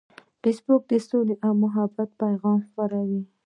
فېسبوک د سولې او محبت پیغام خپروي